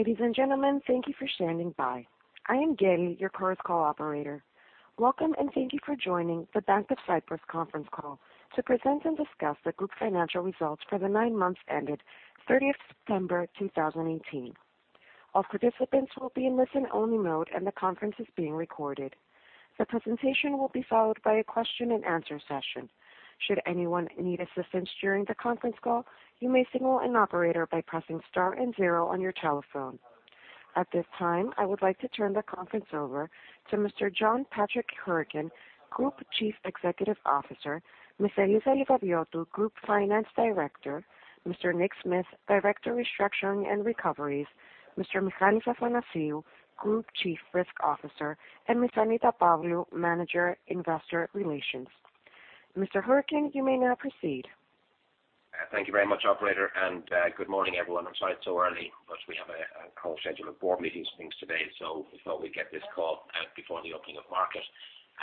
Ladies and gentlemen, thank you for standing by. I am Gary, your current call operator. Welcome, and thank you for joining the Bank of Cyprus conference call to present and discuss the group financial results for the nine months ended 30th September 2018. All participants will be in listen-only mode, and the conference is being recorded. The presentation will be followed by a question and answer session. Should anyone need assistance during the conference call, you may signal an operator by pressing star and zero on your telephone. At this time, I would like to turn the conference over to Mr. John Patrick Hourican, Group Chief Executive Officer, Ms. Eliza Livadiotou, Group Finance Director, Mr. Nick Smith, Director Restructuring and Recoveries, Mr. Michalis Athanasiou, Group Chief Risk Officer, and Ms. Annita Pavlou, Manager Investor Relations. Mr. Hourican, you may now proceed. Thank you very much, operator. Good morning, everyone. I'm sorry it's so early, but we have a whole schedule of board meetings and things today. So we thought we'd get this call out before the opening of market,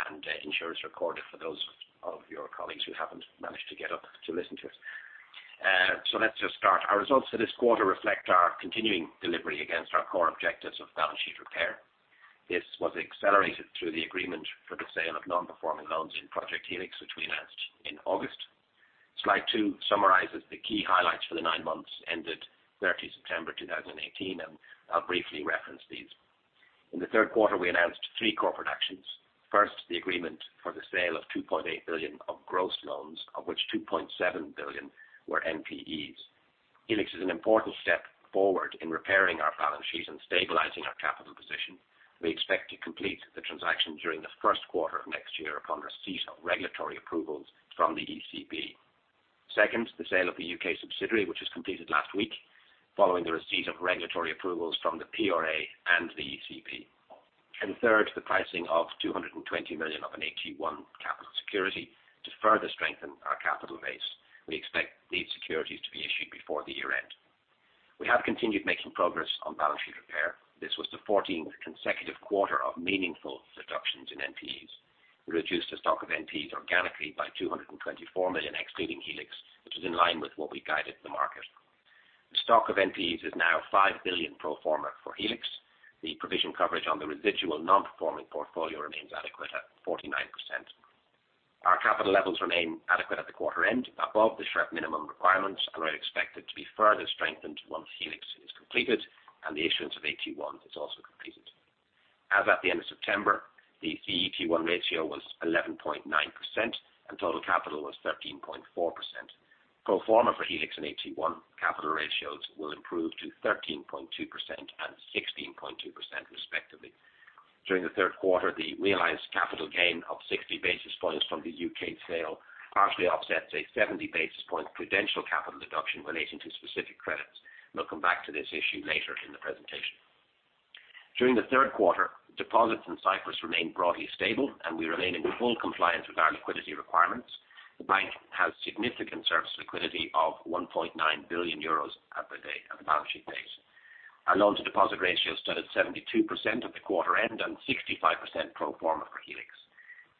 and ensure it's recorded for those of your colleagues who haven't managed to get up to listen to it. So let's just start. Our results for this quarter reflect our continuing delivery against our core objectives of balance sheet repair. This was accelerated through the agreement for the sale of non-performing loans in Project Helix, which we announced in August. Slide two summarizes the key highlights for the nine months ended 30 September 2018, and I'll briefly reference these. In the third quarter, we announced three corporate actions. First, the agreement for the sale of 2.8 billion of gross loans, of which 2.7 billion were NPEs. Helix is an important step forward in repairing our balance sheet and stabilizing our capital position. We expect to complete the transaction during the first quarter of next year upon receipt of regulatory approvals from the ECB. Second, the sale of the UK subsidiary, which was completed last week following the receipt of regulatory approvals from the PRA and the ECB. Third, the pricing of 220 million of an AT1 capital security to further strengthen our capital base. We expect these securities to be issued before the year-end. We have continued making progress on balance sheet repair. This was the 14th consecutive quarter of meaningful reductions in NPEs. We reduced the stock of NPEs organically by 224 million, excluding Helix, which was in line with what we guided the market. The stock of NPEs is now 5 billion pro forma for Helix. The provision coverage on the residual non-performing portfolio remains adequate at 49%. Our capital levels remain adequate at the quarter end, above the SREP minimum requirements, and are expected to be further strengthened once Helix is completed and the issuance of AT1 is also completed. As at the end of September, the CET1 ratio was 11.9% and total capital was 13.4%. Pro forma for Helix and AT1 capital ratios will improve to 13.2% and 16.2% respectively. During the third quarter, the realized capital gain of 60 basis points from the UK sale partially offsets a 70 basis point prudential capital deduction relating to specific credits. We'll come back to this issue later in the presentation. During the third quarter, deposits in Cyprus remained broadly stable, and we remain in full compliance with our liquidity requirements. The bank has significant surplus liquidity of 1.9 billion euros at the balance sheet base. Our loan-to-deposit ratio stood at 72% at the quarter end and 65% pro forma for Helix.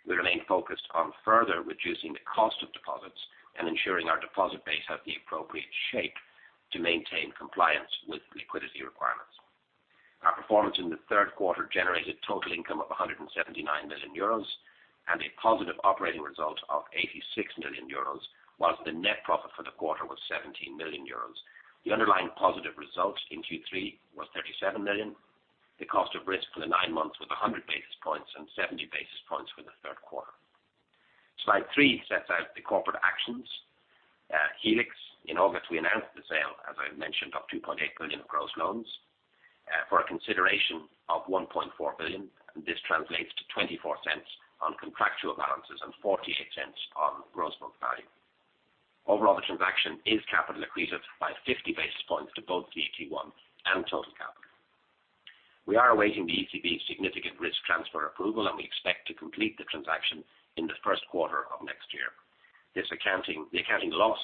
We remain focused on further reducing the cost of deposits and ensuring our deposit base has the appropriate shape to maintain compliance with liquidity requirements. Our performance in the third quarter generated total income of 179 million euros and a positive operating result of 86 million euros, whilst the net profit for the quarter was 17 million euros. The underlying positive result in Q3 was 37 million. The cost of risk for the nine months was 100 basis points and 70 basis points for the third quarter. Slide three sets out the corporate actions. Helix, in August, we announced the sale, as I mentioned, of 2.8 billion of gross loans for a consideration of 1.4 billion. This translates to 0.24 on contractual balances and 0.48 on gross book value. Overall, the transaction is capital accretive by 50 basis points to both the AT1 and total capital. We are awaiting the ECB's significant risk transfer approval. We expect to complete the transaction in the first quarter of next year. The accounting loss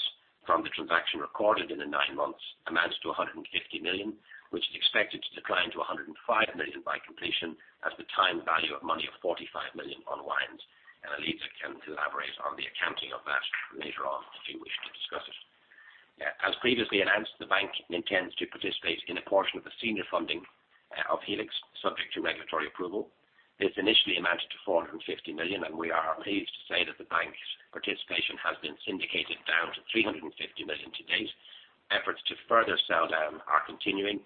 from the transaction recorded in the nine months amounts to 150 million, which is expected to decline to 105 million by completion as the time value of money of 45 million unwinds. Eliza can elaborate on the accounting of that later on if you wish to discuss it. As previously announced, the bank intends to participate in a portion of the senior funding of Helix, subject to regulatory approval. This initially amounted to 450 million, and we are pleased to say that the bank's participation has been syndicated down to 350 million to date. Efforts to further sell down are continuing.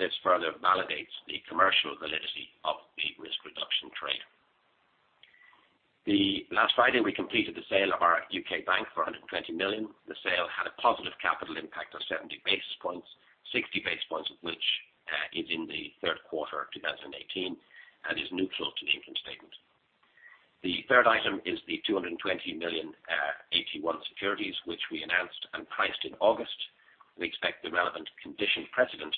This further validates the commercial validity of the risk reduction trade. Last Friday, we completed the sale of our U.K. bank for 120 million. The sale had a positive capital impact of 70 basis points, 60 basis points of which is in the third quarter 2018 and is neutral to the income statement. The third item is the 220 million AT1 securities, which we announced and priced in August. We expect the relevant condition precedent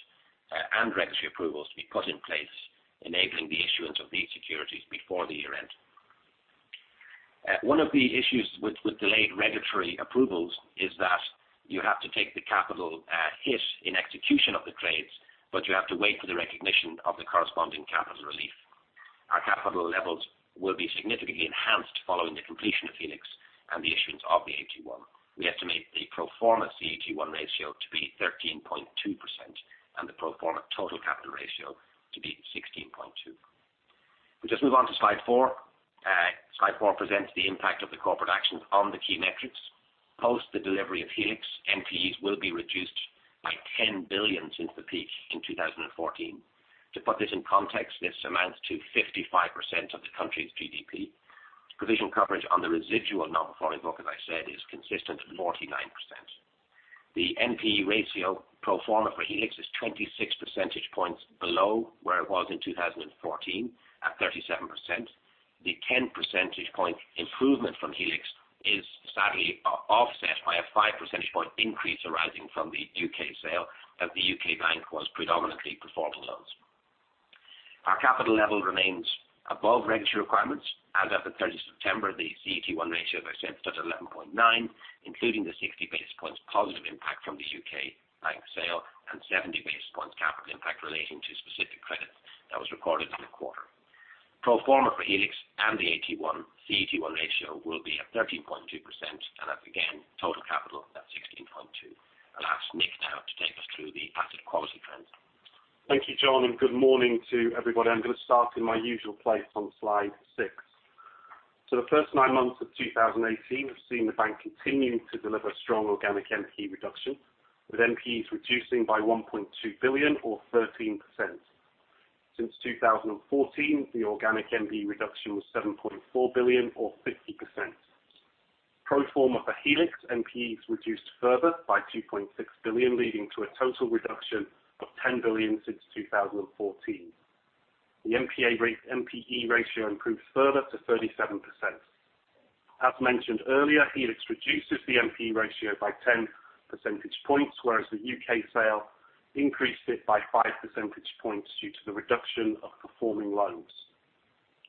and regulatory approvals to be put in place, enabling the issuance of these securities before the year-end. One of the issues with delayed regulatory approvals is that you have to take the capital hit in execution of the trades. You have to wait for the recognition of the corresponding capital relief. Our capital levels will be significantly enhanced following the completion of Helix and the issuance of the AT1. We estimate the pro forma CET1 ratio to be 13.2%, and the pro forma total capital ratio to be 16.2%. Move on to slide four. Slide four presents the impact of the corporate actions on the key metrics. Post the delivery of Helix, NPEs will be reduced by 10 billion since the peak in 2014. To put this in context, this amounts to 55% of the country's GDP. Provisional coverage on the residual non-performing book, as I said, is consistent with 49%. The NPE ratio pro forma for Helix is 26 percentage points below where it was in 2014, at 37%. The 10 percentage point improvement from Helix is sadly offset by a five percentage point increase arising from the U.K. sale, as the U.K. bank was predominantly performing loans. Our capital level remains above regulatory requirements. As of the 30th September, the CET1 ratio, as I said, stood at 11.9, including the 60 basis points positive impact from the U.K. bank sale and 70 basis points capital impact relating to specific credits that was recorded in the quarter. Pro forma for Helix and the AT1, CET1 ratio will be at 13.2%, and again, total capital at 16.2. I will ask Nick now to take us through the asset quality trends. Thank you, John, and good morning to everybody. I am going to start in my usual place on slide six. The first nine months of 2018 have seen the bank continuing to deliver strong organic NPE reduction, with NPEs reducing by 1.2 billion or 13%. Since 2014, the organic NPE reduction was 7.4 billion or 50%. Pro forma for Helix, NPEs reduced further by 2.6 billion, leading to a total reduction of 10 billion since 2014. The NPE ratio improved further to 37%. As mentioned earlier, Helix reduces the NPE ratio by 10 percentage points, whereas the U.K. sale increased it by five percentage points due to the reduction of performing loans.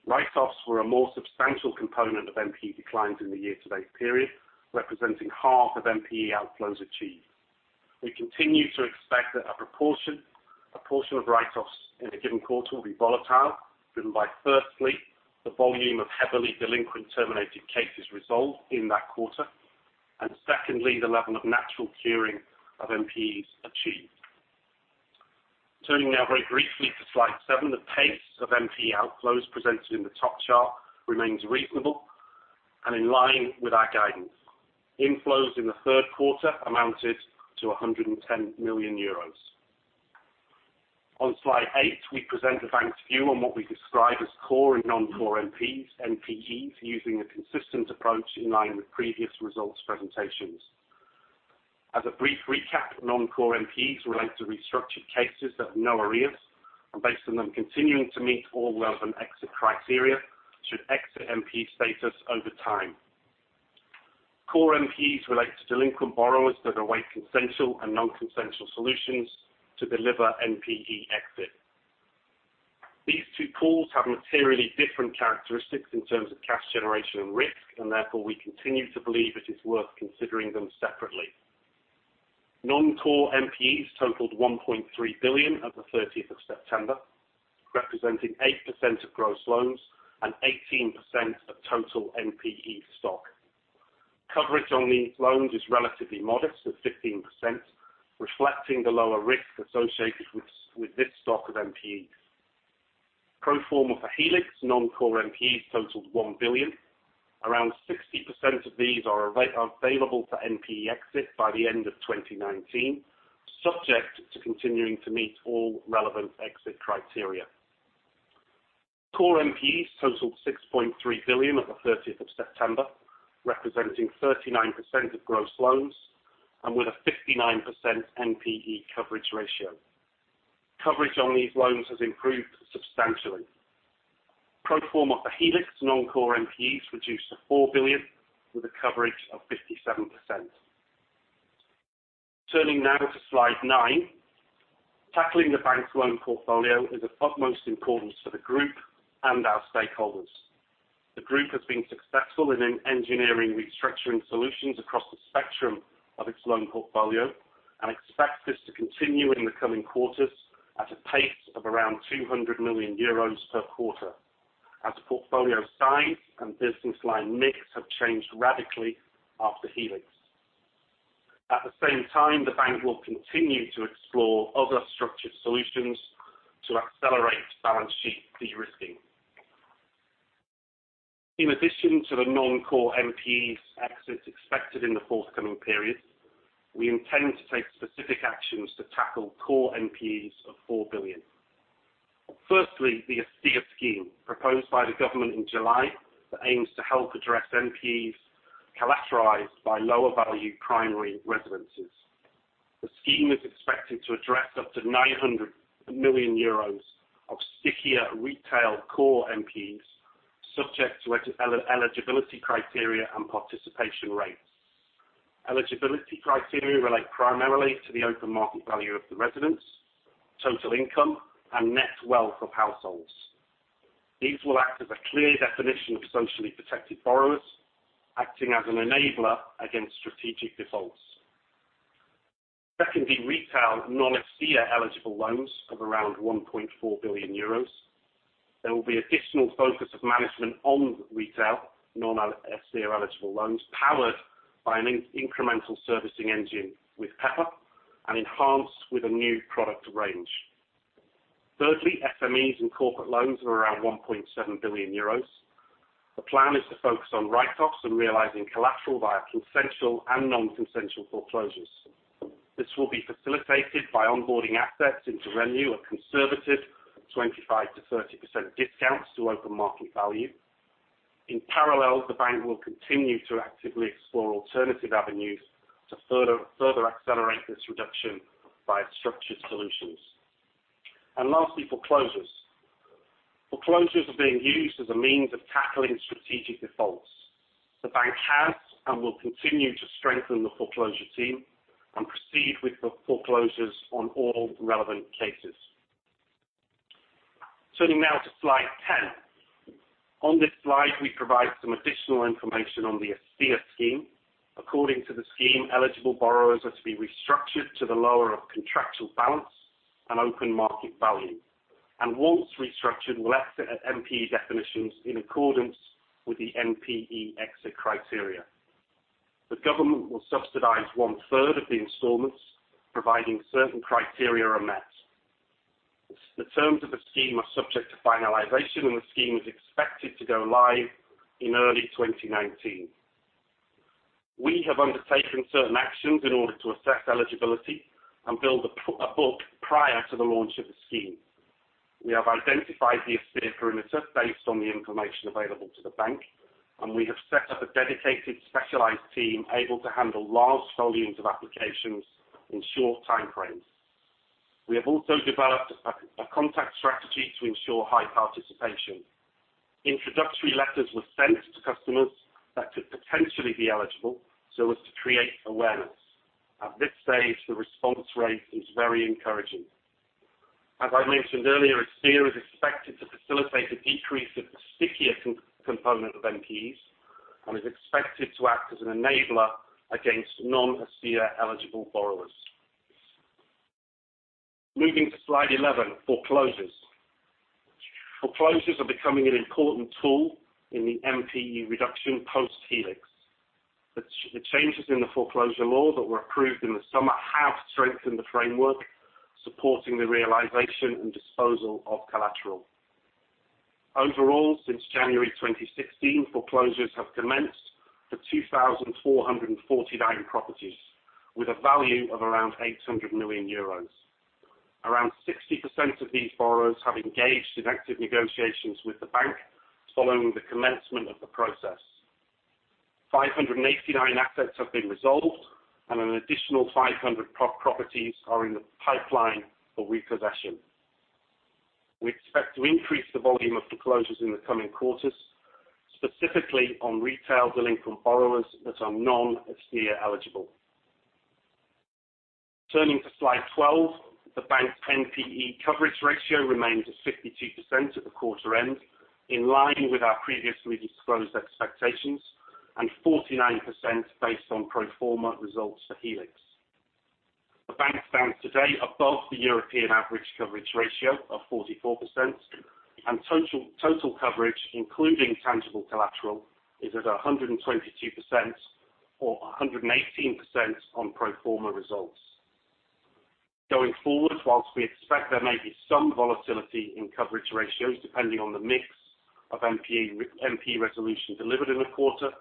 Write-offs were a more substantial component of NPE declines in the year-to-date period, representing half of NPE outflows achieved. We continue to expect that a proportion of write-offs in a given quarter will be volatile, driven by firstly, the volume of heavily delinquent terminated cases resolved in that quarter, and secondly, the level of natural curing of NPEs achieved. Turning now very briefly to slide seven, the pace of NPE outflows presented in the top chart remains reasonable and in line with our guidance. Inflows in the third quarter amounted to 110 million euros. On slide eight, we present the bank's view on what we describe as core and non-core NPEs using a consistent approach in line with previous results presentations. As a brief recap, non-core NPEs relate to restructured cases that have no arrears, and based on them continuing to meet all relevant exit criteria, should exit NPE status over time. Core NPEs relate to delinquent borrowers that await consensual and non-consensual solutions to deliver NPE exit. These two pools have materially different characteristics in terms of cash generation and risk, and therefore, we continue to believe it is worth considering them separately. Non-core NPEs totaled 1.3 billion at the 30th of September, representing 8% of gross loans and 18% of total NPE stock. Coverage on these loans is relatively modest at 15%, reflecting the lower risk associated with this stock of NPEs. Pro forma for Helix, non-core NPEs totaled one billion. Around 60% of these are available for NPE exit by the end of 2019, subject to continuing to meet all relevant exit criteria. Core NPEs totaled 6.3 billion on the 30th of September, representing 39% of gross loans, and with a 59% NPE coverage ratio. Coverage on these loans has improved substantially. Pro forma for Helix, non-core NPEs reduced to 4 billion with a coverage of 57%. Turning now to slide nine. Tackling the bank's loan portfolio is of utmost importance for the group and our stakeholders. The group has been successful in engineering restructuring solutions across the spectrum of its loan portfolio, and expects this to continue in the coming quarters at a pace of around 200 million euros per quarter as the portfolio size and business line mix have changed radically after Project Helix. At the same time, the Bank will continue to explore other structured solutions to accelerate balance sheet de-risking. In addition to the non-core NPEs exits expected in the forthcoming period, we intend to take specific actions to tackle core NPEs of 4 billion. Firstly, the ESTIA scheme proposed by the government in July that aims to help address NPEs collateralized by lower value primary residences. The scheme is expected to address up to 900 million euros of stickier retail core NPEs subject to eligibility criteria and participation rates. Eligibility criteria relate primarily to the open market value of the residence, total income, and net wealth of households. These will act as a clear definition of socially protected borrowers, acting as an enabler against strategic defaults. Secondly, retail non-ESTIA eligible loans of around 1.4 billion euros. There will be additional focus of management on retail non-ESTIA eligible loans, powered by an incremental servicing engine with Pepper and enhanced with a new product range. Thirdly, SMEs and corporate loans are around 1.7 billion euros. The plan is to focus on write-offs and realizing collateral via consensual and non-consensual foreclosures. This will be facilitated by onboarding assets into REMU at conservative 25%-30% discounts to open market value. In parallel, the Bank will continue to actively explore alternative avenues to further accelerate this reduction via structured solutions. Lastly, foreclosures. Foreclosures are being used as a means of tackling strategic defaults. The Bank has and will continue to strengthen the foreclosure team and proceed with the foreclosures on all relevant cases. Turning now to slide 10. On this slide, we provide some additional information on the ESTIA scheme. According to the scheme, eligible borrowers are to be restructured to the lower of contractual balance and open market value. Once restructured, will exit at NPE definitions in accordance with the NPE exit criteria. The government will subsidize one-third of the installments, providing certain criteria are met. The terms of the scheme are subject to finalization, and the scheme is expected to go live in early 2019. We have undertaken certain actions in order to assess eligibility and build a book prior to the launch of the scheme. We have identified the ESTIA perimeter based on the information available to the Bank. We have set up a dedicated specialized team able to handle large volumes of applications in short time frames. We have also developed a contact strategy to ensure high participation. Introductory letters were sent to customers that could potentially be eligible, so as to create awareness. At this stage, the response rate is very encouraging. As I mentioned earlier, ESTIA is expected to facilitate a decrease of the stickier component of NPEs and is expected to act as an enabler against non-ESTIA eligible borrowers. Moving to slide 11, foreclosures. Foreclosures are becoming an important tool in the NPE reduction post Project Helix. The changes in the foreclosure law that were approved in the summer have strengthened the framework, supporting the realization and disposal of collateral. Overall, since January 2016, foreclosures have commenced for 2,449 properties, with a value of around 800 million euros. Around 60% of these borrowers have engaged in active negotiations with the bank following the commencement of the process. 589 assets have been resolved, and an additional 500 properties are in the pipeline for repossession. We expect to increase the volume of foreclosures in the coming quarters, specifically on retail billing from borrowers that are non-ESTIA eligible. Turning to slide 12, the bank's NPE coverage ratio remains at 52% at the quarter end, in line with our previously disclosed expectations and 49% based on pro forma results for Helix. The bank stands today above the European average coverage ratio of 44%, and total coverage, including tangible collateral, is at 122% or 118% on pro forma results. Going forward, whilst we expect there may be some volatility in coverage ratios, depending on the mix of NPE resolution delivered in the quarter,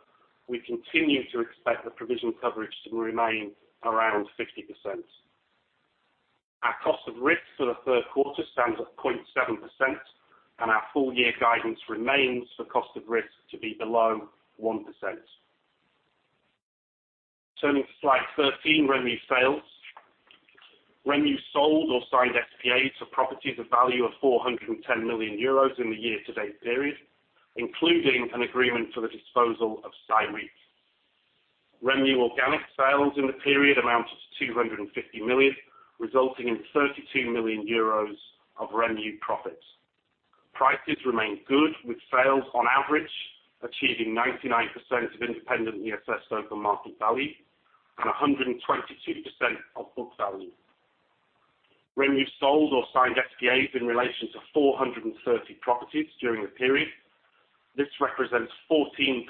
we continue to expect the provision coverage to remain around 50%. Our cost of risk for the third quarter stands at 0.7%, and our full year guidance remains for cost of risk to be below 1%. Turning to slide 13, REMU sales. REMU sold or signed SPAs for properties of value of 410 million euros in the year-to-date period, including an agreement for the disposal of CYREIT. REMU organic sales in the period amounted to 250 million, resulting in 32 million euros of REMU profits. Prices remained good, with sales on average achieving 99% of independent ESS open market value and 122% of book value. REMU sold or signed SPAs in relation to 430 properties during the period. This represents 14%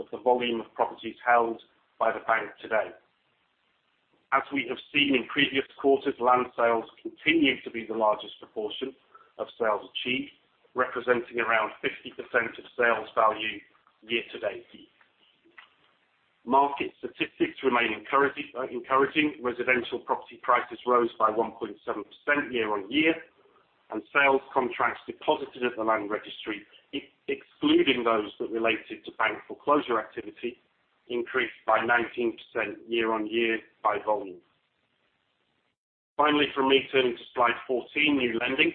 of the volume of properties held by the bank today. As we have seen in previous quarters, land sales continue to be the largest proportion of sales achieved, representing around 50% of sales value year-to-date. Market statistics remain encouraging. Residential property prices rose by 1.7% year-on-year, and sales contracts deposited at the land registry, excluding those that related to bank foreclosure activity, increased by 19% year-on-year by volume. Finally from me, turning to slide 14, new lending.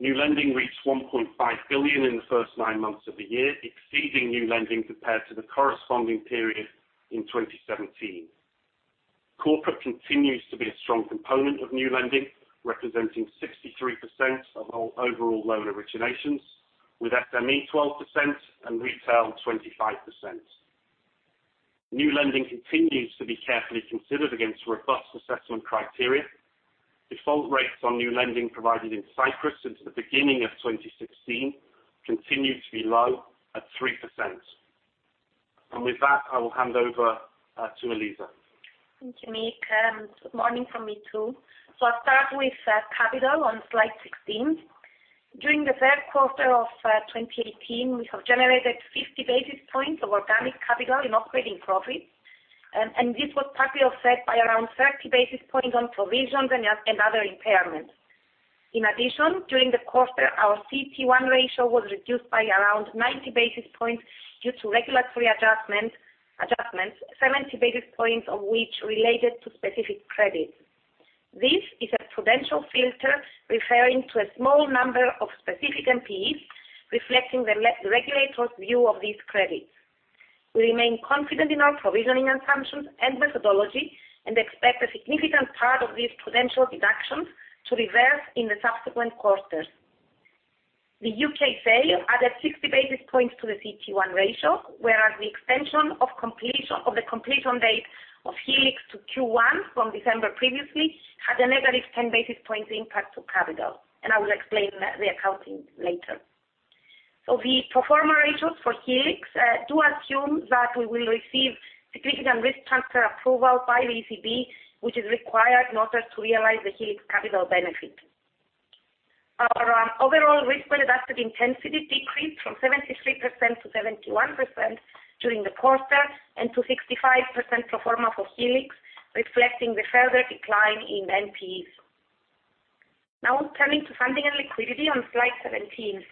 New lending reached 1.5 billion in the first nine months of the year, exceeding new lending compared to the corresponding period in 2017. Corporate continues to be a strong component of new lending, representing 63% of all overall loan originations, with SME 12% and retail 25%. New lending continues to be carefully considered against robust assessment criteria. Default rates on new lending provided in Cyprus since the beginning of 2016 continue to be low at 3%. With that, I will hand over to Eliza. Thank you, Nick, and good morning from me, too. I'll start with capital on slide 16. During the third quarter of 2018, we have generated 50 basis points of organic capital in operating profits, and this was partly offset by around 30 basis points on provisions and other impairments. In addition, during the quarter, our CET1 ratio was reduced by around 90 basis points due to regulatory adjustments, 70 basis points of which related to specific credits. This is a prudential filter referring to a small number of specific NPEs, reflecting the regulator's view of these credits. We remain confident in our provisioning assumptions and methodology, and expect a significant part of these prudential deductions to reverse in the subsequent quarters. The U.K. sale added 60 basis points to the CET1 ratio, whereas the extension of the completion date of Helix to Q1 from December previously had a negative 10 basis points impact to capital, and I will explain the accounting later. The pro forma ratios for Helix do assume that we will receive significant risk transfer approval by ECB, which is required in order to realize the Helix capital benefit. Our overall risk-weighted asset intensity decreased from 73% to 71% during the quarter, and to 65% pro forma for Helix, reflecting the further decline in NPEs. Turning to funding and liquidity on slide 17.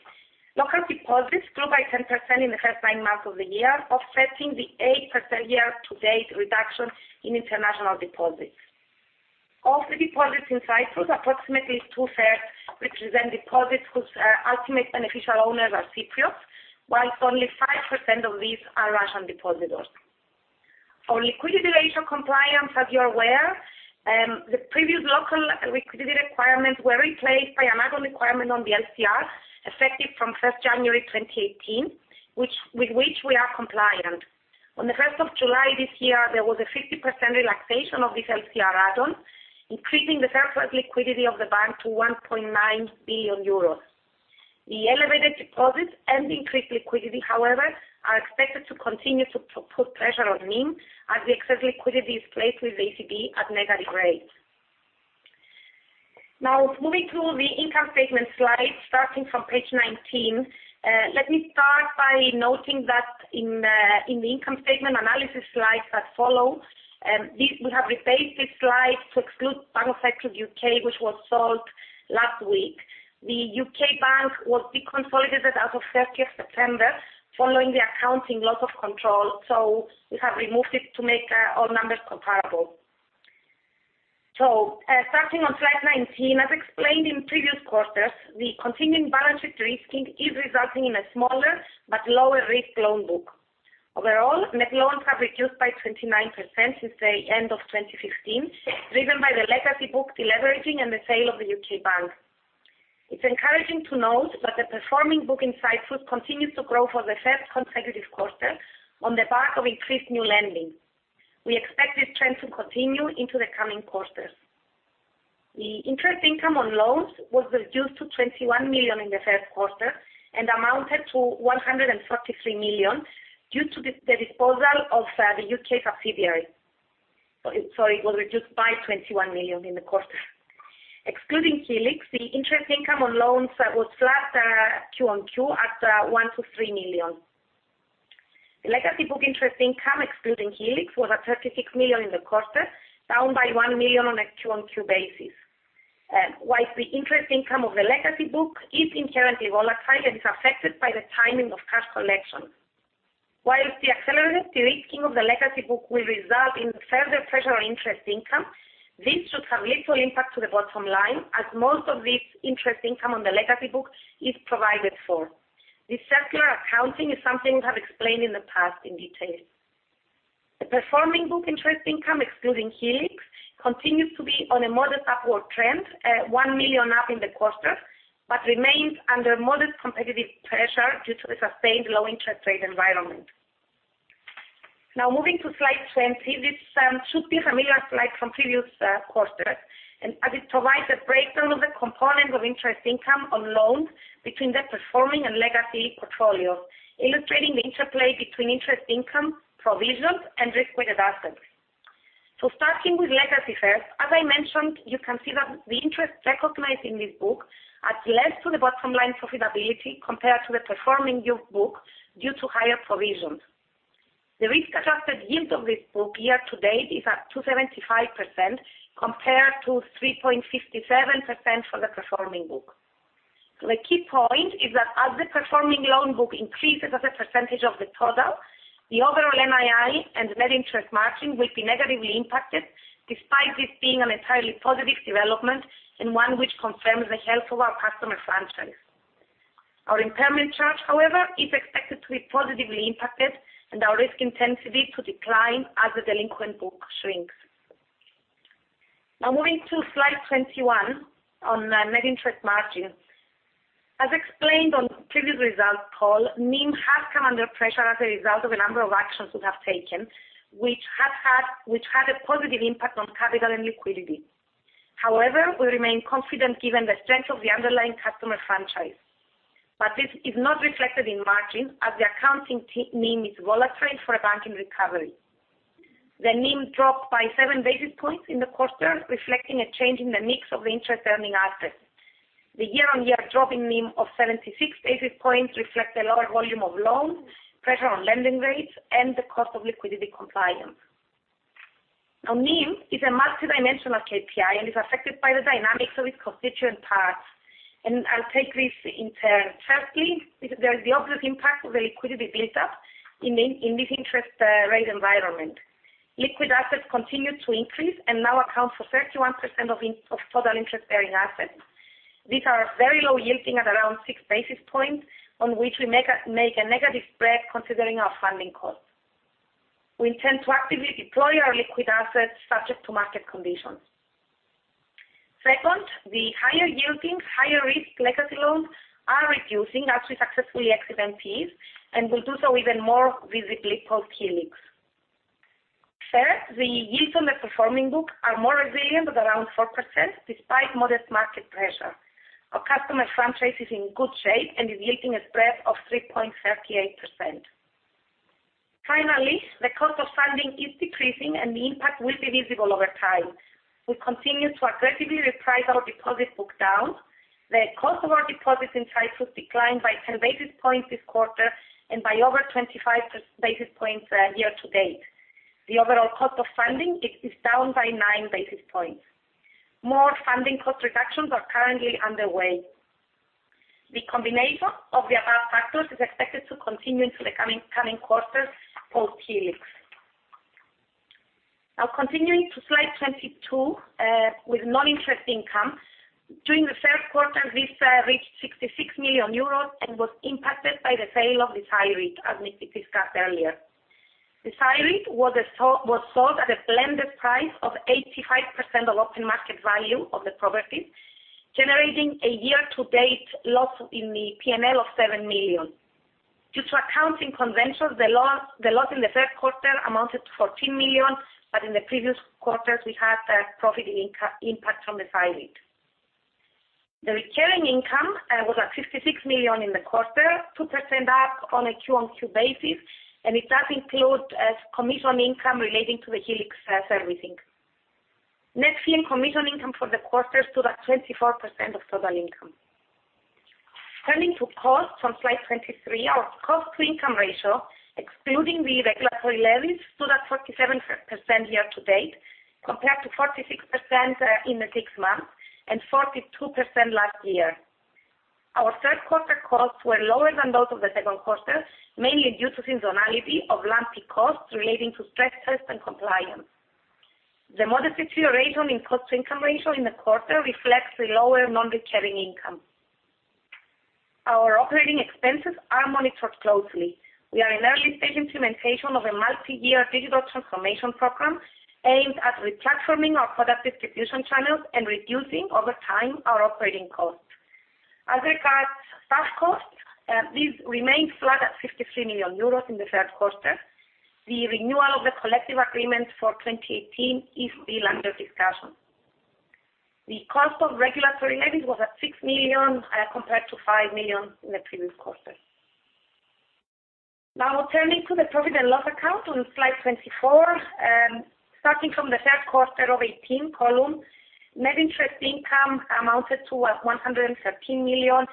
Local deposits grew by 10% in the first nine months of the year, offsetting the 8% year-to-date reduction in international deposits. Of the deposits in Cyprus, approximately two-thirds represent deposits whose ultimate beneficial owners are Cypriots, whilst only 5% of these are Russian depositors. On liquidity ratio compliance, as you're aware, the previous local liquidity requirements were replaced by another requirement on the LCR, effective from 1st January 2018, with which we are compliant. On the 1st of July this year, there was a 50% relaxation of this LCR add-on, increasing the surplus liquidity of the bank to 1.9 billion euros. The elevated deposits and increased liquidity, however, are expected to continue to put pressure on NIM as the excess liquidity is placed with ECB at negative rates. Moving to the income statement slides, starting from page 19. Let me start by noting that in the income statement analysis slides that follow, we have replaced this slide to exclude Bank of Cyprus UK, which was sold last week. The U.K. bank was deconsolidated as of 30th September following the accounting loss of control, we have removed it to make our numbers comparable. Starting on slide 19, as explained in previous quarters, the continuing balance sheet de-risking is resulting in a smaller but lower-risk loan book. Overall, net loans have reduced by 29% since the end of 2015, driven by the legacy book de-leveraging and the sale of the U.K. bank. It's encouraging to note that the performing book in Cyprus continues to grow for the first consecutive quarter on the back of increased new lending. We expect this trend to continue into the coming quarters. The interest income on loans was reduced to 21 million in the first quarter and amounted to 143 million due to the disposal of the U.K. subsidiary. Sorry, it was reduced by 21 million in the quarter. Excluding Helix, the interest income on loans was flat Q on Q at 123 million. The legacy book interest income excluding Helix was at 36 million in the quarter, down by 1 million on a Q on Q basis. While the interest income of the legacy book is inherently volatile and is affected by the timing of cash collection. While the accelerated de-risking of the legacy book will result in further pressure on interest income, this should have little impact to the bottom line as most of this interest income on the legacy book is provided for. This secular accounting is something we have explained in the past in detail. The performing book interest income excluding Helix continues to be on a modest upward trend at 1 million up in the quarter, but remains under modest competitive pressure due to the sustained low interest rate environment. Moving to slide 20. This should be a familiar slide from previous quarters as it provides a breakdown of the component of interest income on loans between the performing and legacy portfolio, illustrating the interplay between interest income, provisions, and risk-weighted assets. Starting with legacy first, as I mentioned, you can see that the interest recognized in this book adds less to the bottom line profitability compared to the performing book due to higher provisions. The risk-adjusted yield of this book year-to-date is at 275% compared to 3.57% for the performing book. The key point is that as the performing loan book increases as a percentage of the total, the overall NII and net interest margin will be negatively impacted, despite this being an entirely positive development and one which confirms the health of our customer franchise. Our impairment charge, however, is expected to be positively impacted and our risk intensity to decline as the delinquent book shrinks. Moving to slide 21 on net interest margin. As explained on previous results call, NIM has come under pressure as a result of a number of actions we have taken, which had a positive impact on capital and liquidity. However, we remain confident given the strength of the underlying customer franchise. This is not reflected in margin as the accounting NIM is volatile for a bank in recovery. The NIM dropped by 7 basis points in the quarter, reflecting a change in the mix of the interest-earning assets. The year-on-year drop in NIM of 76 basis points reflects a lower volume of loans, pressure on lending rates, and the cost of liquidity compliance. NIM is a multidimensional KPI and is affected by the dynamics of its constituent parts, and I'll take these in turn. Firstly, there is the obvious impact of the liquidity buildup in this interest rate environment. Liquid assets continued to increase and now account for 31% of total interest-bearing assets. These are very low yielding at around 6 basis points, on which we make a negative spread considering our funding costs. We intend to actively deploy our liquid assets subject to market conditions. Second, the higher yielding, higher risk legacy loans are reducing as we successfully exit NPEs, and will do so even more visibly post Helix. Third, the yields on the performing book are more resilient at around 4%, despite modest market pressure. Our customer franchise is in good shape and is yielding a spread of 3.38%. Finally, the cost of funding is decreasing. The impact will be visible over time. We continue to aggressively reprice our deposit book down. The cost of our deposits in Cyprus declined by 10 basis points this quarter and by over 25 basis points year-to-date. The overall cost of funding is down by nine basis points. More funding cost reductions are currently underway. The combination of the above factors is expected to continue into the coming quarters post Helix. Continuing to slide 22, with non-interest income. During the third quarter, this reached €66 million and was impacted by the sale of the CYREIT, as Nick discussed earlier. This CYREIT was sold at a blended price of 85% of open market value of the property, generating a year-to-date loss in the P&L of €7 million. Due to accounting conventions, the loss in the third quarter amounted to €14 million. In the previous quarters, we had a profit impact from the CYREIT. The recurring income was at €56 million in the quarter, 2% up on a Q on Q basis. It does include commission income relating to the Helix servicing. Net fee and commission income for the quarter stood at 24% of total income. Turning to costs on slide 23, our cost-to-income ratio, excluding the regulatory levies, stood at 47% year-to-date, compared to 46% in the six months and 42% last year. Our third quarter costs were lower than those of the second quarter, mainly due to seasonality of lumpy costs relating to stress tests and compliance. The modest deterioration in cost-to-income ratio in the quarter reflects the lower non-recurring income. Our operating expenses are monitored closely. We are in early-stage implementation of a multi-year digital transformation program aimed at replatforming our product distribution channels and reducing, over time, our operating costs. As regards staff costs, these remained flat at €53 million in the third quarter. The renewal of the collective agreement for 2018 is still under discussion. The cost of regulatory levies was at €6 million, compared to €5 million in the previous quarter. Turning to the profit and loss account on slide 24. Starting from the third quarter of 2018 column, net interest income amounted to €113 million.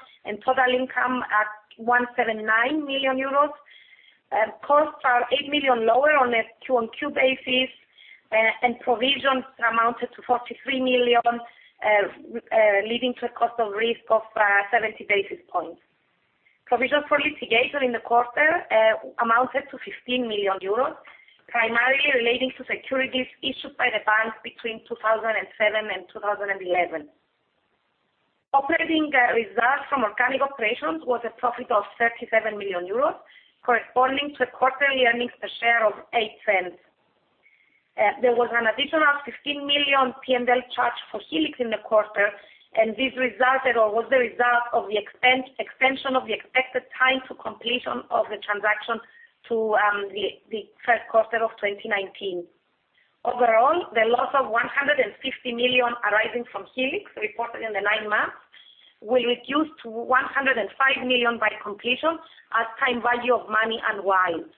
Total income at €179 million. Costs are €8 million lower on a Q on Q basis. Provisions amounted to €43 million, leading to a cost of risk of 70 basis points. Provision for litigation in the quarter amounted to €15 million, primarily relating to securities issued by the bank between 2007 and 2011. Operating results from organic operations was a profit of €37 million, corresponding to quarterly earnings per share of 0.08. There was an additional €15 million P&L charge for Helix in the quarter. This resulted or was the result of the extension of the expected time for completion of the transaction to the first quarter of 2019. Overall, the loss of €150 million arising from Helix reported in the nine months will reduce to €105 million by completion at time value of money unwind.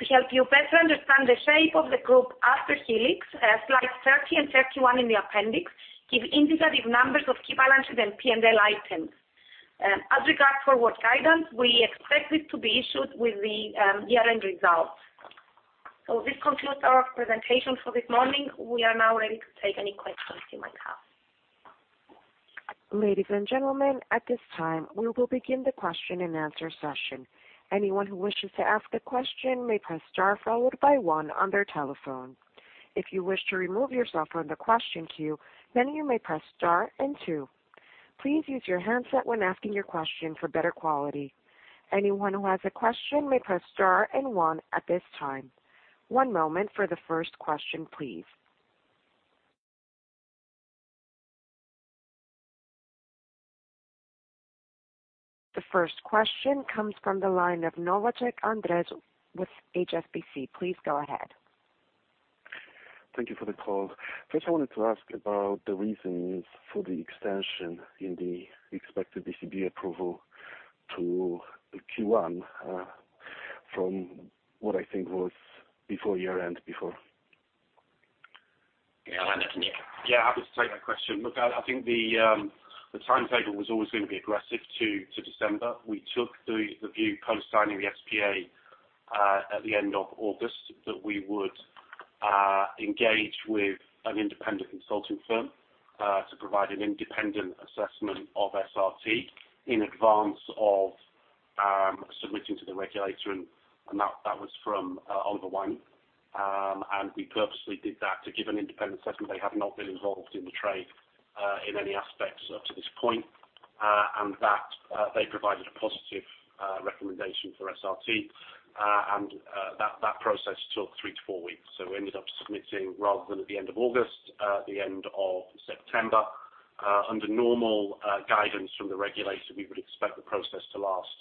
To help you better understand the shape of the group after Helix, slides 30 and 31 in the appendix give indicative numbers of key balances and P&L items. As regards forward guidance, we expect it to be issued with the year-end results. This concludes our presentation for this morning. We are now ready to take any questions you might have. Ladies and gentlemen, at this time, we will begin the question-and-answer session. Anyone who wishes to ask a question may press star followed by one on their telephone. If you wish to remove yourself from the question queue, then you may press star and two. Please use your handset when asking your question for better quality. Anyone who has a question may press star and one at this time. One moment for the first question, please. The first question comes from the line of Nowacek Andres with HSBC. Please go ahead. Thank you for the call. First, I wanted to ask about the reasons for the extension in the expected ECB approval to the Q1 from what I think was before year end before. Yeah. Happy to take that question. Look, I think the timetable was always going to be aggressive to December. We took the view post signing the SPA at the end of August that we would engage with an independent consulting firm to provide an independent assessment of SRT in advance of submitting to the regulator, and that was from Oliver Wyman. We purposely did that to give an independent assessment. They have not been involved in the trade in any aspects up to this point. They provided a positive recommendation for SRT and that process took 3-4 weeks. We ended up submitting rather than at the end of August, at the end of September. Under normal guidance from the regulator, we would expect the process to last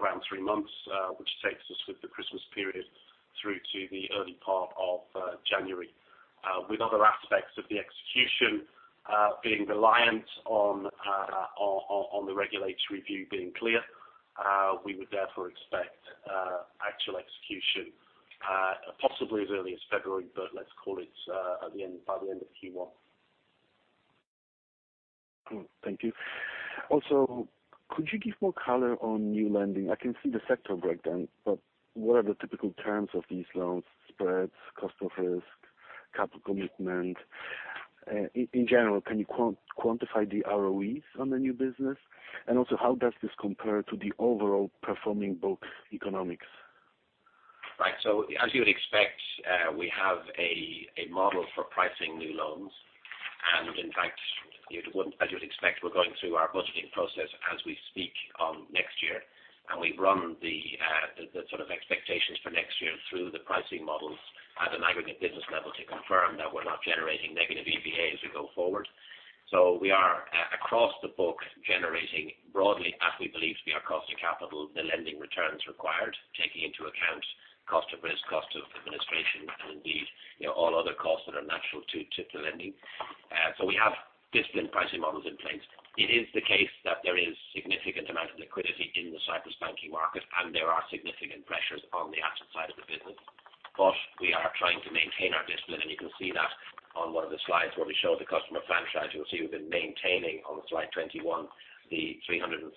around 3 months, which takes us with the Christmas period through to the early part of January. With other aspects of the execution being reliant on the regulator's review being clear, we would therefore expect actual execution possibly as early as February, let's call it by the end of Q1. Thank you. Could you give more color on new lending? I can see the sector breakdown, what are the typical terms of these loans, spreads, cost of risk, capital commitment? In general, can you quantify the ROEs on the new business? How does this compare to the overall performing book economics? Right. As you would expect, we have a model for pricing new loans. As you would expect, we're going through our budgeting process as we speak on next year. We've run the sort of expectations for next year through the pricing models at an aggregate business level to confirm that we're not generating negative EVA as we go forward. We are across the book generating broadly as we believe to be our cost of capital, the lending returns required, taking into account cost of risk, cost of administration, and indeed all other costs that are natural to the lending. We have disciplined pricing models in place. It is the case that there is significant amount of liquidity in the Cyprus banking market, and there are significant pressures on the asset side of the business. We are trying to maintain our discipline, and you can see that on one of the slides where we show the customer franchise. You'll see we've been maintaining on slide 21 the 338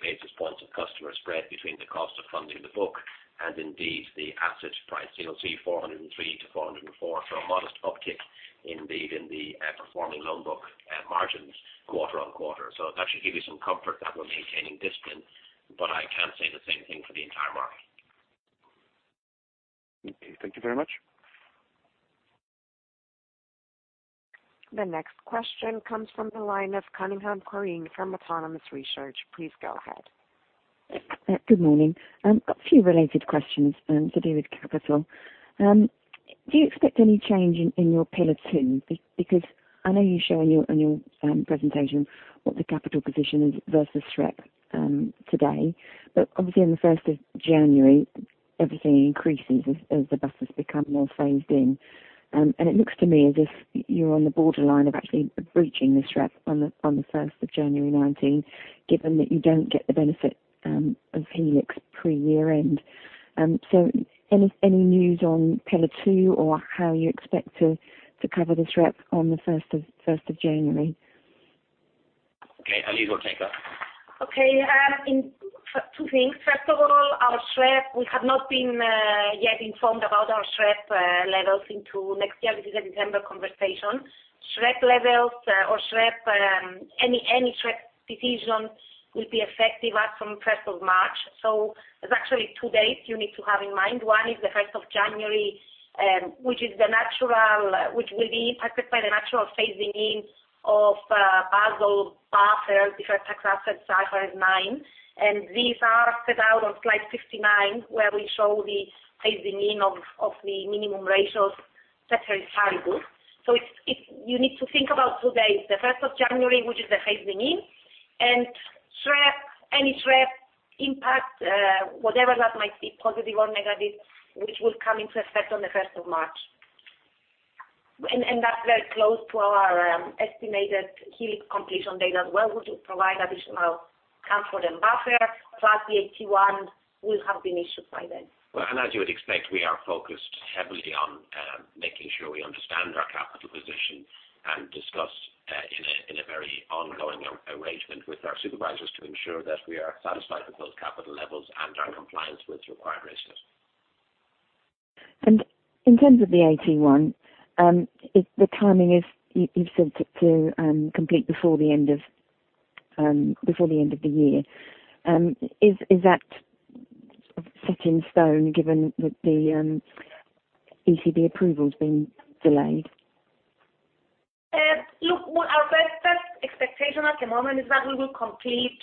basis points of customer spread between the cost of funding the book and indeed the assets price. You'll see 403 to 404, a modest uptick indeed in the performing loan book margins quarter-on-quarter. That should give you some comfort that we're maintaining discipline, I can't say the same thing for the entire market. Okay. Thank you very much. The next question comes from the line of Corinne Cunningham from Autonomous Research. Please go ahead. Good morning. Got a few related questions to do with capital. Do you expect any change in your Pillar 2? I know you show on your presentation what the capital position is versus SREP today. Obviously on the 1st of January, everything increases as the buffers become more phased in. It looks to me as if you're on the borderline of actually breaching the SREP on the 1st of January 2019, given that you don't get the benefit of Helix pre-year-end. Any news on Pillar 2 or how you expect to cover the SREP on the 1st of January? Okay. Eliza will take that. Okay. Two things. First of all, our SREP, we have not been yet informed about our SREP levels into next year. This is a December conversation. SREP levels or any SREP decisions will be effective as from 1st of March. There's actually two dates you need to have in mind. One is the 1st of January, which will be impacted by the natural phasing in of Basel buffer, different tax assets, IFRS 9. These are set out on slide 69, where we show the phasing in of the minimum ratios that are applicable. You need to think about two dates, the 1st of January, which is the phasing in, and any SREP impact, whatever that might be, positive or negative, which will come into effect on the 1st of March. That's very close to our estimated Helix completion date as well, which will provide additional comfort and buffer, plus the AT1 will have been issued by then. Well, as you would expect, we are focused heavily on making sure we understand our capital position and discuss in a very ongoing arrangement with our supervisors to ensure that we are satisfied with those capital levels and our compliance with required ratios. In terms of the AT1, the timing is you've said to complete before the end of the year. Is that set in stone, given that the ECB approval's been delayed? Look, our best expectation at the moment is that we will complete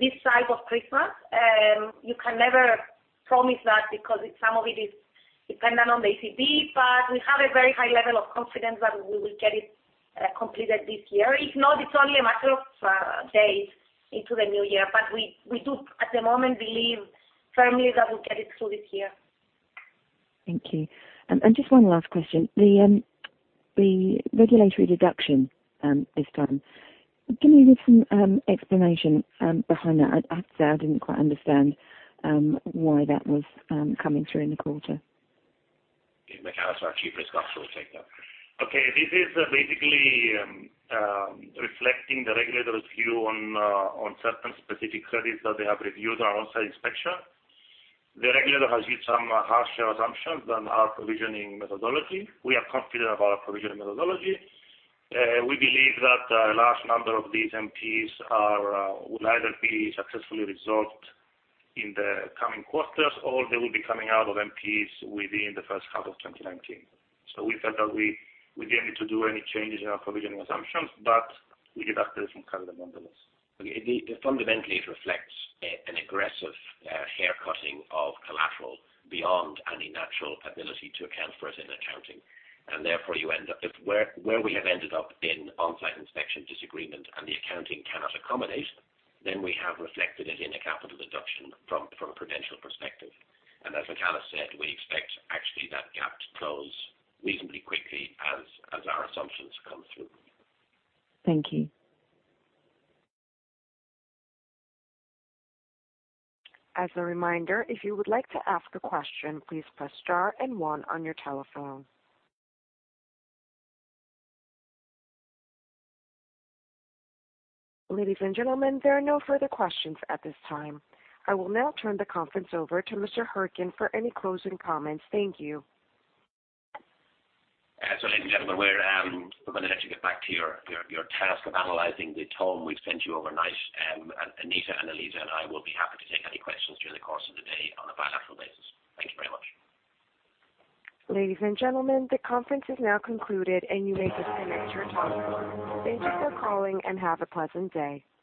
this side of Christmas. You can never promise that because some of it is dependent on the ECB, but we have a very high level of confidence that we will get it completed this year. If not, it's only a matter of days into the new year. We do, at the moment, believe firmly that we'll get it through this year. Thank you. Just one last question. The regulatory deduction this time. Can you give some explanation behind that? I have to say I didn't quite understand why that was coming through in the quarter. Okay. Michalis, as our Chief Risk Officer, will take that. Okay. This is basically reflecting the regulator's view on certain specific credits that they have reviewed on our onsite inspection. The regulator has used some harsher assumptions than our provisioning methodology. We are confident of our provisioning methodology. We believe that a large number of these NPEs will either be successfully resolved in the coming quarters, or they will be coming out of NPEs within the first half of 2019. We felt that we didn't need to do any changes in our provisioning assumptions, but we did that to some capital nonetheless. Fundamentally, it reflects an aggressive hair cutting of collateral beyond any natural ability to account for it in accounting. Therefore, where we have ended up in on-site inspection disagreement and the accounting cannot accommodate, then we have reflected it in a capital deduction from a prudential perspective. As Michele said, we expect actually that gap to close reasonably quickly as our assumptions come through. Thank you. As a reminder, if you would like to ask a question, please press star and one on your telephone. Ladies and gentlemen, there are no further questions at this time. I will now turn the conference over to Mr. Hourican for any closing comments. Thank you. Ladies and gentlemen, we're going to let you get back to your task of analyzing the tome we've sent you overnight. Annita and Eliza and I will be happy to take any questions during the course of the day on a bilateral basis. Thank you very much. Ladies and gentlemen, the conference is now concluded, and you may disconnect your telephone. Thank you for calling and have a pleasant day.